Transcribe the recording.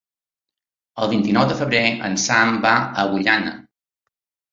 El vint-i-nou de febrer en Sam va a Agullana.